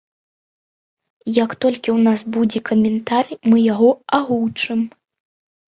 Як толькі ў нас будзе каментарый, мы яго агучым.